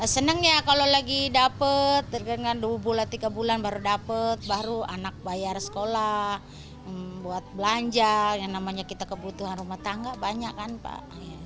senang ya kalau lagi dapat dengan dua bulan tiga bulan baru dapat baru anak bayar sekolah buat belanja yang namanya kita kebutuhan rumah tangga banyak kan pak